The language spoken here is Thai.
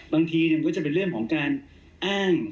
บางทีมันก็จะเป็นเรื่องของการอ้าง